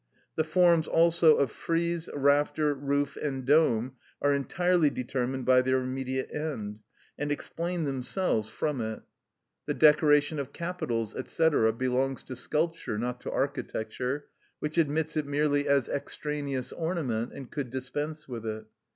The forms also of frieze, rafter, roof, and dome are entirely determined by their immediate end, and explain themselves from it. The decoration of capitals, &c., belongs to sculpture, not to architecture, which admits it merely as extraneous ornament, and could dispense with it.